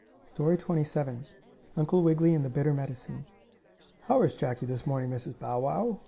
STORY XXVII UNCLE WIGGILY AND THE BITTER MEDICINE "How is Jackie this morning, Mrs. Bow Wow?"